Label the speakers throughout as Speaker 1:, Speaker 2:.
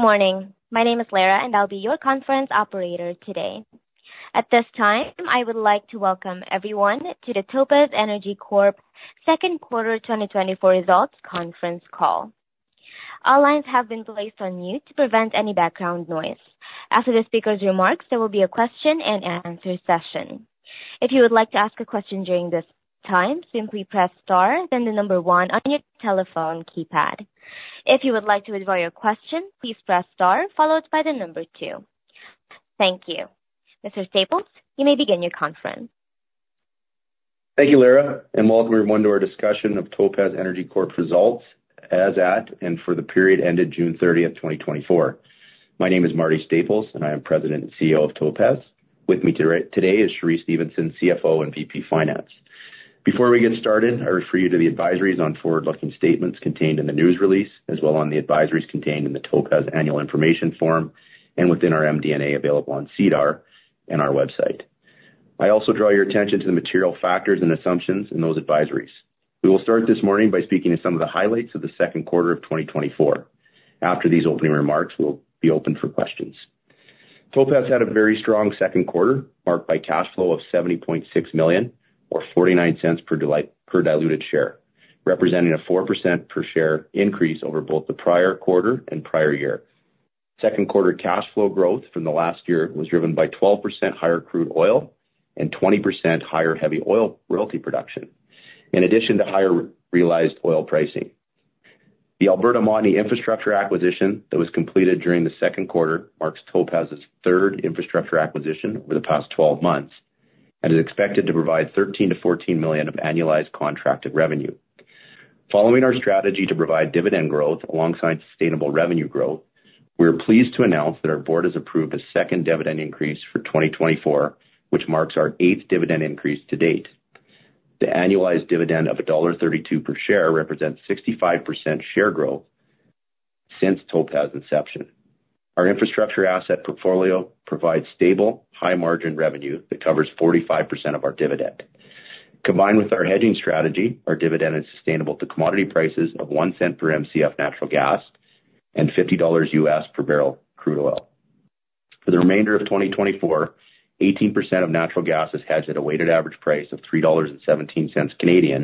Speaker 1: Good morning. My name is Lara, and I'll be your conference operator today. At this time, I would like to welcome everyone to the Topaz Energy Corp second quarter 2024 results conference call. All lines have been placed on mute to prevent any background noise. After the speaker's remarks, there will be a question and answer session. If you would like to ask a question during this time, simply press star, then the number one on your telephone keypad. If you would like to withdraw your question, please press star, followed by the number two. Thank you. Mr. Staples, you may begin your conference.
Speaker 2: Thank you, Lara, and welcome everyone to our discussion of Topaz Energy Corp results as at and for the period ended June 30, 2024. My name is Marty Staples, and I am President and CEO of Topaz. With me today is Cheree Stephenson, CFO and VP Finance. Before we get started, I refer you to the advisories on forward-looking statements contained in the news release, as well as on the advisories contained in the Topaz annual information form and within our MD&A available on SEDAR and our website. I also draw your attention to the material factors and assumptions in those advisories. We will start this morning by speaking to some of the highlights of the second quarter of 2024. After these opening remarks, we'll be open for questions. Topaz had a very strong second quarter, marked by cash flow of 70.6 million, or 0.49 per diluted share, representing a 4% per share increase over both the prior quarter and prior year. Second quarter cash flow growth from the last year was driven by 12% higher crude oil and 20% higher heavy oil royalty production, in addition to higher realized oil pricing. The Alberta-Montney infrastructure acquisition that was completed during the second quarter marks Topaz's third infrastructure acquisition over the past 12 months and is expected to provide 13 million-14 million of annualized contracted revenue. Following our strategy to provide dividend growth alongside sustainable revenue growth, we are pleased to announce that our board has approved a second dividend increase for 2024, which marks our eighth dividend increase to date. The annualized dividend of dollar 1.32 per share represents 65% share growth since Topaz's inception. Our infrastructure asset portfolio provides stable, high-margin revenue that covers 45% of our dividend. Combined with our hedging strategy, our dividend is sustainable to commodity prices of $0.01 per MCF natural gas and $50 per barrel crude oil. For the remainder of 2024, 18% of natural gas is hedged at a weighted average price of 3.17 Canadian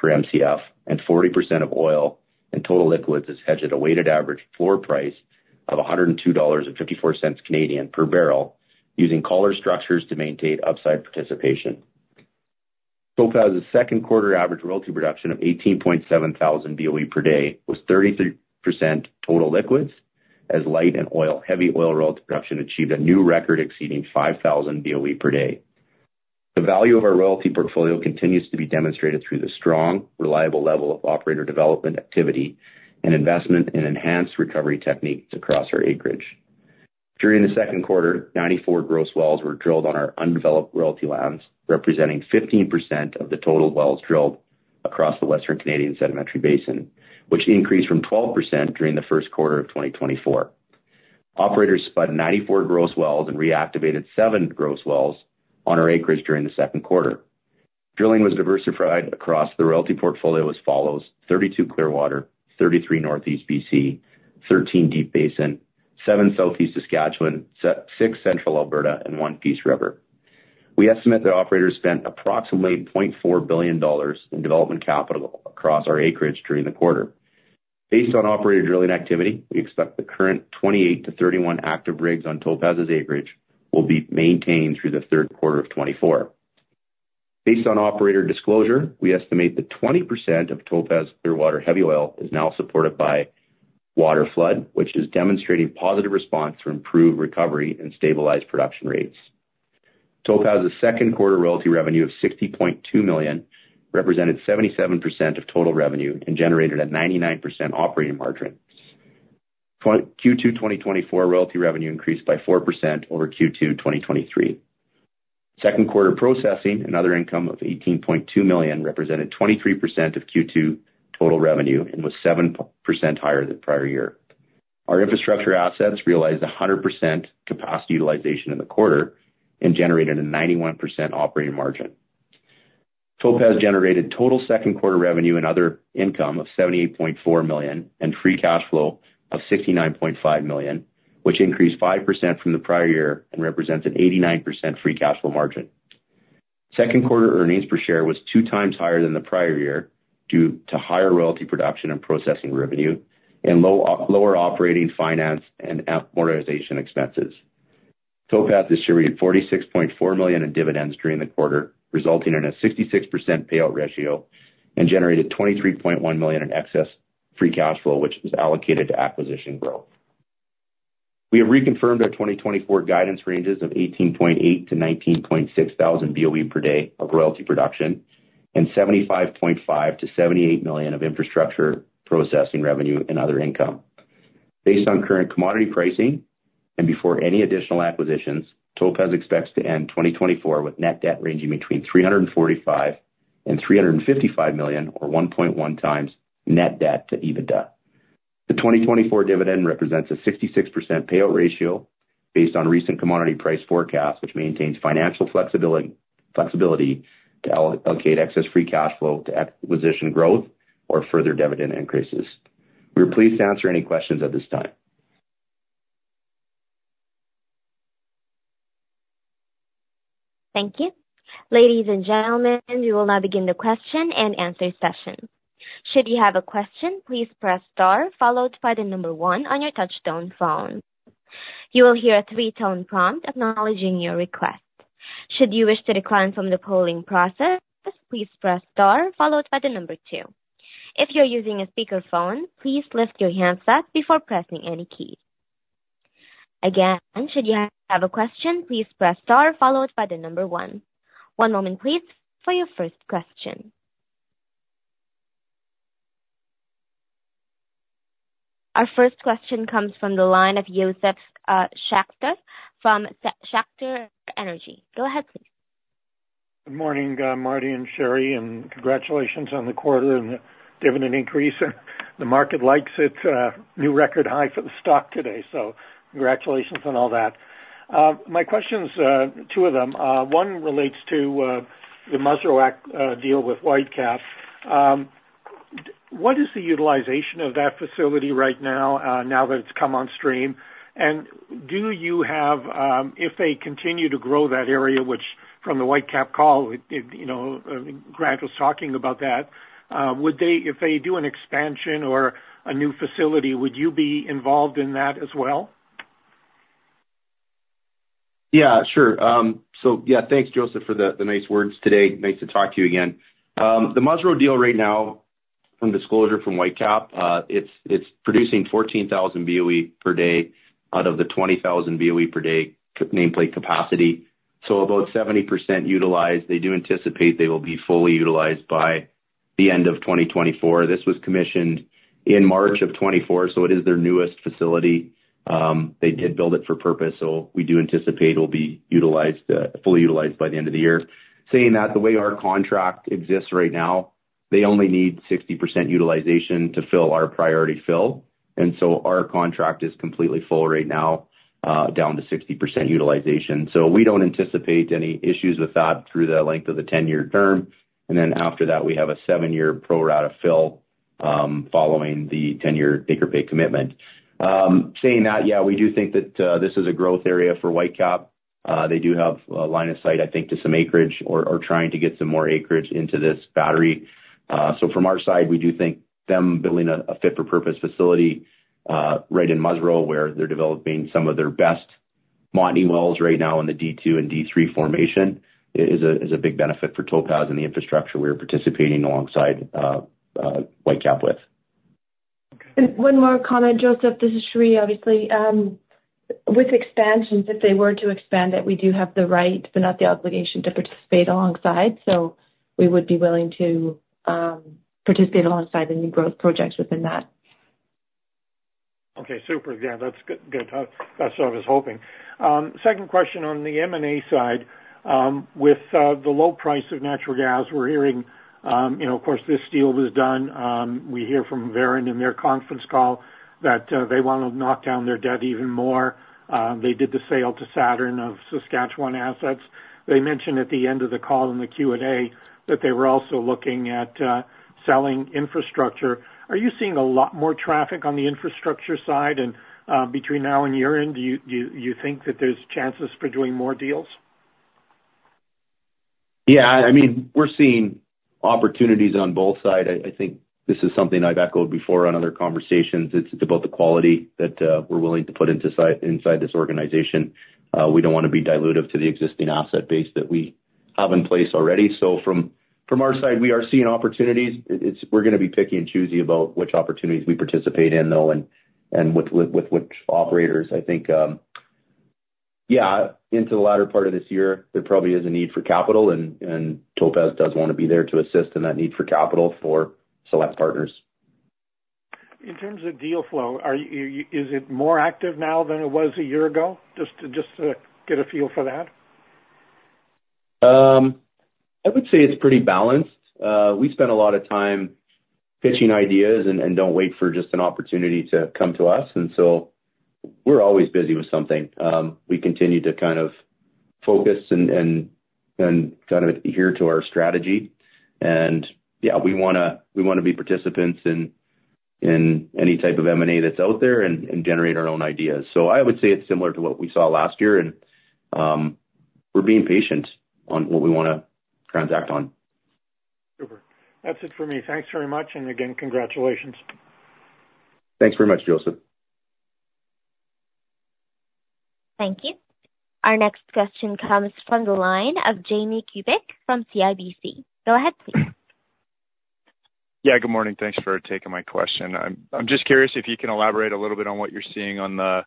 Speaker 2: dollars per MCF, and 40% of oil and total liquids is hedged at a weighted average floor price of 102.54 Canadian dollars per barrel, using collar structures to maintain upside participation. Topaz's second quarter average royalty production of 18,700 BOE per day was 33% total liquids, as light and heavy oil royalty production achieved a new record exceeding 5,000 BOE per day. The value of our royalty portfolio continues to be demonstrated through the strong, reliable level of operator development activity and investment in enhanced recovery techniques across our acreage. During the second quarter, 94 gross wells were drilled on our undeveloped royalty lands, representing 15% of the total wells drilled across the Western Canadian Sedimentary Basin, which increased from 12% during the first quarter of 2024. Operators spud 94 gross wells and reactivated 7 gross wells on our acreage during the second quarter. Drilling was diversified across the royalty portfolio as follows: 32 Clearwater, 33 Northeast BC, 13 Deep Basin, 7 Southeast Saskatchewan, 6 Central Alberta, and 1 Peace River. We estimate that operators spent approximately 0.4 billion dollars in development capital across our acreage during the quarter. Based on operator drilling activity, we expect the current 28-31 active rigs on Topaz's acreage will be maintained through the third quarter of 2024. Based on operator disclosure, we estimate that 20% of Topaz Clearwater heavy oil is now supported by water flood, which is demonstrating positive response for improved recovery and stabilized production rates. Topaz's second quarter royalty revenue of 60.2 million represented 77% of total revenue and generated a 99% operating margin. Q2 2024 royalty revenue increased by 4% over Q2 2023. Second quarter processing and other income of 18.2 million represented 23% of Q2 total revenue and was 7% higher than prior year. Our infrastructure assets realized 100% capacity utilization in the quarter and generated a 91% operating margin. Topaz generated total second quarter revenue and other income of 78.4 million and free cash flow of 69.5 million, which increased 5% from the prior year and represents an 89% free cash flow margin. Second quarter earnings per share was 2 times higher than the prior year due to higher royalty production and processing revenue and lower operating finance and amortization expenses. Topaz distributed 46.4 million in dividends during the quarter, resulting in a 66% payout ratio and generated 23.1 million in excess free cash flow, which was allocated to acquisition growth. We have reconfirmed our 2024 guidance ranges of 18.8-19.6 BOE per day of royalty production and 75.5 million-78 million of infrastructure processing revenue and other income. Based on current commodity pricing and before any additional acquisitions, Topaz expects to end 2024 with net debt ranging between 345 million and 355 million, or 1.1x net debt to EBITDA. The 2024 dividend represents a 66% payout ratio based on recent commodity price forecasts, which maintains financial flexibility to allocate excess free cash flow to acquisition growth or further dividend increases. We are pleased to answer any questions at this time.
Speaker 1: Thank you. Ladies and gentlemen, we will now begin the question and answer session. Should you have a question, please press star, followed by the number one on your touch-tone phone. You will hear a 3-tone prompt acknowledging your request. Should you wish to decline from the polling process, please press star, followed by the number two. If you're using a speakerphone, please lift your hands up before pressing any key. Again, should you have a question, please press star, followed by the number one. One moment, please, for your first question. Our first question comes from the line of Josef Schachter from Schachter Energy Research. Go ahead, please.
Speaker 3: Good morning, Marty and Cheree, and congratulations on the quarter and the dividend increase. The market likes it. New record high for the stock today, so congratulations on all that. My questions, two of them. One relates to the Musreau asset deal with Whitecap. What is the utilization of that facility right now, now that it's come on stream? And do you have, if they continue to grow that area, which from the Whitecap call, Grant was talking about that, would they, if they do an expansion or a new facility, would you be involved in that as well?
Speaker 2: Yeah, sure. So yeah, thanks, Josef, for the nice words today. Nice to talk to you again. The Musreau deal right now, from disclosure from Whitecap, it's producing 14,000 BOE per day out of the 20,000 BOE per day nameplate capacity. So about 70% utilized. They do anticipate they will be fully utilized by the end of 2024. This was commissioned in March of 2024, so it is their newest facility. They did build it for purpose, so we do anticipate it will be utilized, fully utilized by the end of the year. Saying that, the way our contract exists right now, they only need 60% utilization to fill our priority fill. And so our contract is completely full right now, down to 60% utilization. So we don't anticipate any issues with that through the length of the 10-year term. And then after that, we have a 7-year pro rata fill following the 10-year take-or-pay commitment. Saying that, yeah, we do think that this is a growth area for Whitecap. They do have a line of sight, I think, to some acreage or trying to get some more acreage into this battery. So from our side, we do think them building a fit-for-purpose facility right in Musreau, where they're developing some of their best Montney wells right now in the D2 and D3 formation, is a big benefit for Topaz and the infrastructure we're participating alongside Whitecap with.
Speaker 4: One more comment, Josef. This is Cheree, obviously. With expansions, if they were to expand it, we do have the right, but not the obligation to participate alongside. So we would be willing to participate alongside any growth projects within that.
Speaker 3: Okay. Super. Yeah, that's good. That's what I was hoping. Second question on the M&A side. With the low price of natural gas, we're hearing, of course, this deal was done. We hear from Veren in their conference call that they want to knock down their debt even more. They did the sale to Saturn of Saskatchewan assets. They mentioned at the end of the call in the Q&A that they were also looking at selling infrastructure. Are you seeing a lot more traffic on the infrastructure side? And between now and year-end, do you think that there's chances for doing more deals?
Speaker 2: Yeah. I mean, we're seeing opportunities on both sides. I think this is something I've echoed before on other conversations. It's about the quality that we're willing to put inside this organization. We don't want to be dilutive to the existing asset base that we have in place already. So from our side, we are seeing opportunities. We're going to be picky and choosy about which opportunities we participate in, though, and with which operators. I think, yeah, into the latter part of this year, there probably is a need for capital, and Topaz does want to be there to assist in that need for capital for select partners.
Speaker 3: In terms of deal flow, is it more active now than it was a year ago? Just to get a feel for that.
Speaker 2: I would say it's pretty balanced. We spend a lot of time pitching ideas and don't wait for just an opportunity to come to us. So we're always busy with something. We continue to kind of focus and kind of adhere to our strategy. Yeah, we want to be participants in any type of M&A that's out there and generate our own ideas. So I would say it's similar to what we saw last year, and we're being patient on what we want to transact on.
Speaker 3: Super. That's it for me. Thanks very much. And again, congratulations.
Speaker 2: Thanks very much, Josef.
Speaker 1: Thank you. Our next question comes from the line of Jamie Kubik from CIBC. Go ahead, please.
Speaker 5: Yeah, good morning. Thanks for taking my question. I'm just curious if you can elaborate a little bit on what you're seeing on the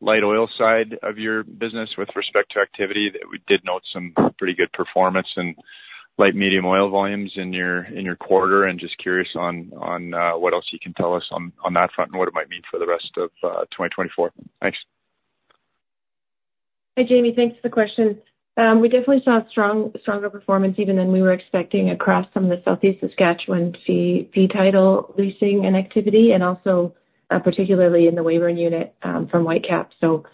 Speaker 5: light oil side of your business with respect to activity. We did note some pretty good performance in light medium oil volumes in your quarter. And just curious on what else you can tell us on that front and what it might mean for the rest of 2024. Thanks.
Speaker 4: Hi, Jamie. Thanks for the question. We definitely saw a stronger performance even than we were expecting across some of the Southeast Saskatchewan fee title leasing and activity, and also particularly in the Weyburn Unit from Whitecap. So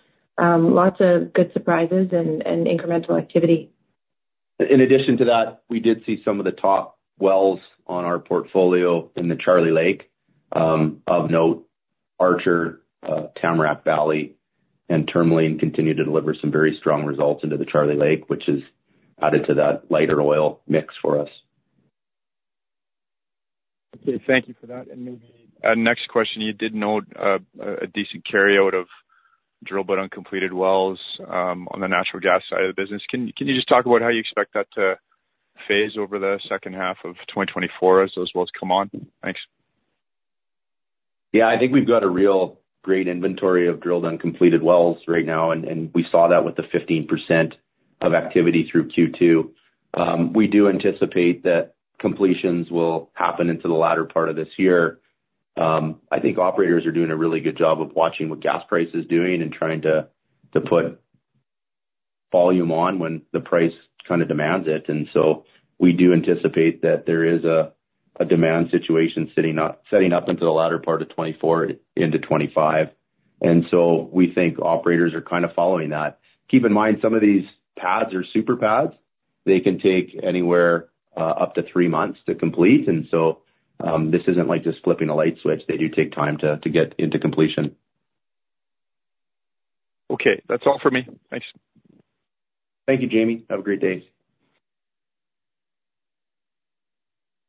Speaker 4: lots of good surprises and incremental activity.
Speaker 2: In addition to that, we did see some of the top wells on our portfolio in the Charlie Lake. Of note, Archer, Tamarack Valley, and Tourmaline continue to deliver some very strong results into the Charlie Lake, which has added to that lighter oil mix for us.
Speaker 5: Okay. Thank you for that. And maybe next question, you did note a decent carryover of drilled but uncompleted wells on the natural gas side of the business. Can you just talk about how you expect that to play out over the second half of 2024 as those wells come on? Thanks.
Speaker 2: Yeah, I think we've got a real great inventory of drilled uncompleted wells right now, and we saw that with the 15% of activity through Q2. We do anticipate that completions will happen into the latter part of this year. I think operators are doing a really good job of watching what gas price is doing and trying to put volume on when the price kind of demands it. And so we do anticipate that there is a demand situation setting up into the latter part of 2024 into 2025. And so we think operators are kind of following that. Keep in mind, some of these pads are super pads. They can take anywhere up to three months to complete. And so this isn't like just flipping a light switch. They do take time to get into completion.
Speaker 5: Okay. That's all for me. Thanks.
Speaker 2: Thank you, Jamie. Have a great day.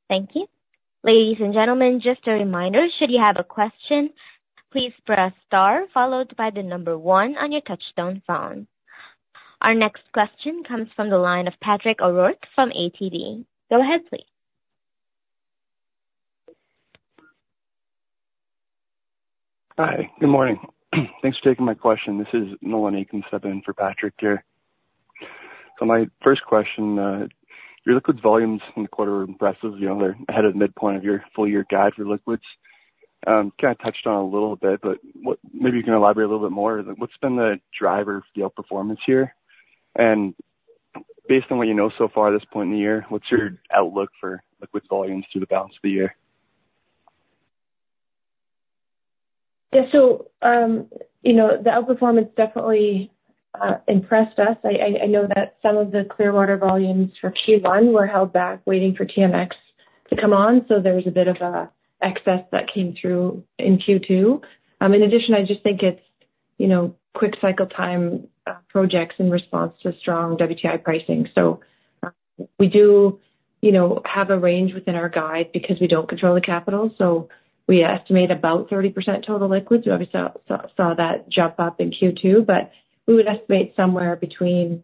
Speaker 1: Thank you. Ladies and gentlemen, just a reminder, should you have a question, please press star, followed by the number one on your touch-tone phone. Our next question comes from the line of Patrick O'Rourke from ATB. Go ahead, please.
Speaker 6: Hi. Good morning. Thanks for taking my question. This is Nolan Aiken stepping in for Patrick here. So my first question, your liquid volumes in the quarter are impressive. They're ahead of midpoint of your full-year guide for liquids. Kind of touched on it a little bit, but maybe you can elaborate a little bit more. What's been the driver for the outperformance here? And based on what you know so far at this point in the year, what's your outlook for liquid volumes through the balance of the year?
Speaker 4: Yeah. So the outperformance definitely impressed us. I know that some of the Clearwater volumes for Q1 were held back waiting for TMX to come on. So there was a bit of an excess that came through in Q2. In addition, I just think it's quick cycle time projects in response to strong WTI pricing. So we do have a range within our guide because we don't control the capital. So we estimate about 30% total liquids. We obviously saw that jump up in Q2, but we would estimate somewhere between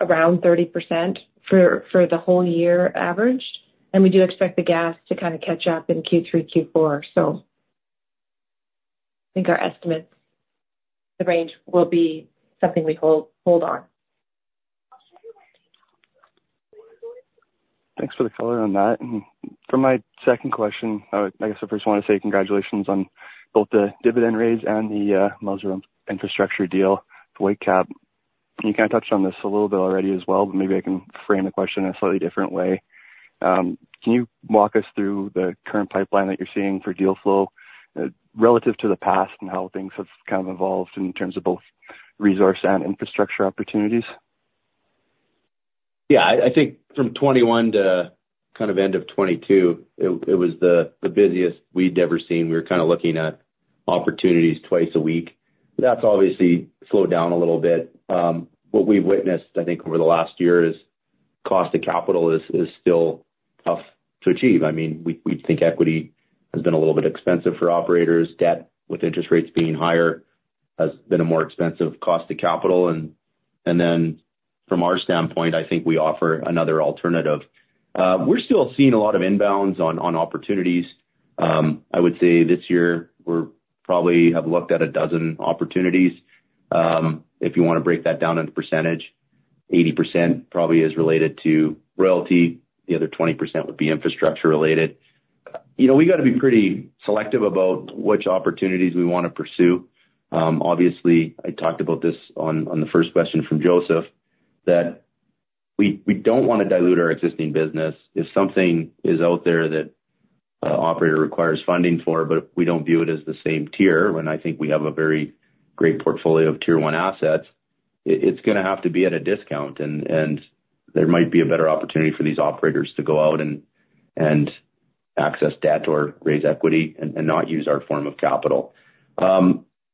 Speaker 4: around 30% for the whole year averaged. And we do expect the gas to kind of catch up in Q3, Q4. So I think our estimates, the range will be something we hold on.
Speaker 6: Thanks for the color on that. For my second question, I guess I first want to say congratulations on both the dividend raise and the Musreau infrastructure deal for Whitecap. You kind of touched on this a little bit already as well, but maybe I can frame the question in a slightly different way. Can you walk us through the current pipeline that you're seeing for deal flow relative to the past and how things have kind of evolved in terms of both resource and infrastructure opportunities?
Speaker 2: Yeah. I think from 2021 to kind of end of 2022, it was the busiest we'd ever seen. We were kind of looking at opportunities twice a week. That's obviously slowed down a little bit. What we've witnessed, I think, over the last year is cost of capital is still tough to achieve. I mean, we think equity has been a little bit expensive for operators. Debt with interest rates being higher has been a more expensive cost of capital. And then from our standpoint, I think we offer another alternative. We're still seeing a lot of inbounds on opportunities. I would say this year, we probably have looked at a dozen opportunities. If you want to break that down into percentage, 80% probably is related to royalty. The other 20% would be infrastructure related. We got to be pretty selective about which opportunities we want to pursue. Obviously, I talked about this on the first question from Josef, that we don't want to dilute our existing business. If something is out there that an operator requires funding for, but we don't view it as the same tier, when I think we have a very great portfolio of tier one assets, it's going to have to be at a discount. There might be a better opportunity for these operators to go out and access debt or raise equity and not use our form of capital.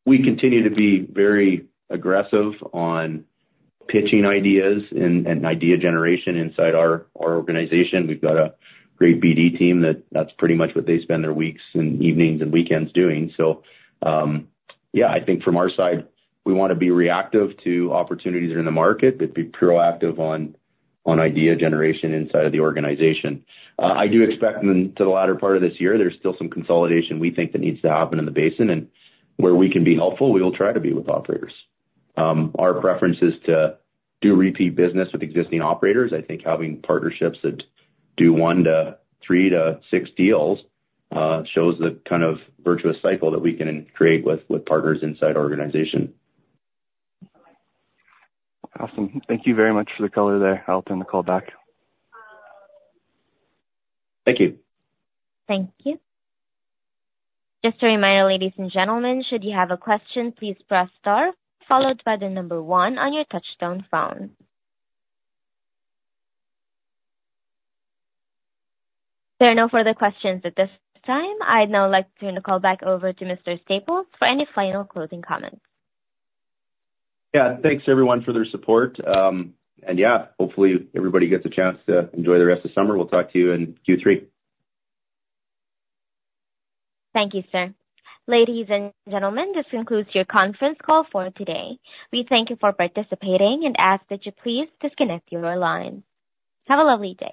Speaker 2: We continue to be very aggressive on pitching ideas and idea generation inside our organization. We've got a great BD team that's pretty much what they spend their weeks and evenings and weekends doing. So yeah, I think from our side, we want to be reactive to opportunities that are in the market, but be proactive on idea generation inside of the organization. I do expect to the latter part of this year, there's still some consolidation we think that needs to happen in the basin. And where we can be helpful, we will try to be with operators. Our preference is to do repeat business with existing operators. I think having partnerships that do one to three to six deals shows the kind of virtuous cycle that we can create with partners inside our organization.
Speaker 6: Awesome. Thank you very much for the color there. I'll turn the call back.
Speaker 2: Thank you.
Speaker 1: Thank you. Just a reminder, ladies and gentlemen, should you have a question, please press star, followed by the number one on your touch-tone phone. There are no further questions at this time. I'd now like to turn the call back over to Mr. Staples for any final closing comments.
Speaker 2: Yeah. Thanks, everyone, for their support. Yeah, hopefully everybody gets a chance to enjoy the rest of the summer. We'll talk to you in Q3.
Speaker 1: Thank you, sir. Ladies and gentlemen, this concludes your conference call for today. We thank you for participating and ask that you please disconnect your line. Have a lovely day.